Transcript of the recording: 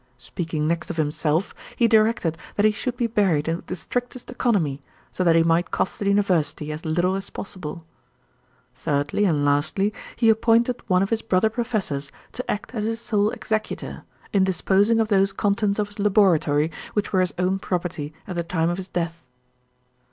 Speaking next of himself, he directed that he should be buried with the strictest economy, so that he might cost the University as little as possible. Thirdly, and lastly, he appointed one of his brother professors to act as his sole executor, in disposing of those contents of his laboratory which were his own property at the time of his death.